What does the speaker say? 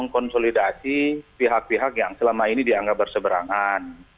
konsolidasi pihak pihak yang selama ini dianggap berseberangan